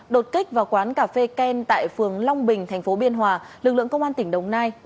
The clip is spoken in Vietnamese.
đột kích vào quán cà phê ken tại phường long bình thành phố biên hòa lực lượng công an tỉnh đồng nai đã phát triển